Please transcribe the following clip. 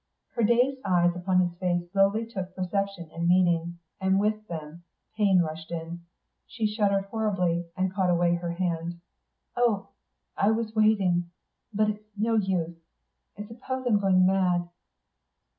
Her dazed eyes upon his face slowly took perception and meaning, and with them pain rushed in. She shuddered horribly, and caught away her hand. "Oh ... I was waiting ... but it's no use ... I suppose I'm going mad...."